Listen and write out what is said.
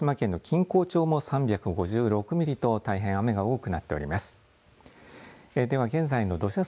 そして鹿児島県の錦江町も３５６ミリと大変、雨が多くなっております。